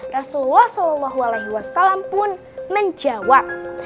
rasulullah pun menjawab